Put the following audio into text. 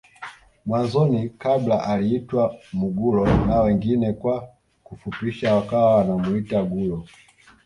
Mwanzoni kabla aliitwa Mugulo na wengine kwa kufupisha wakawa wanamuita gulo